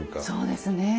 そうですね。